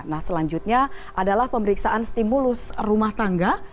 nah selanjutnya adalah pemeriksaan stimulus rumah tangga